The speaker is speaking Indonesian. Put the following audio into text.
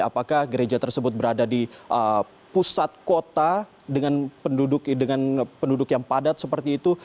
apakah gereja tersebut berada di pusat kota dengan penduduk yang padat seperti itu